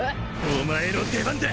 お前の出番だ。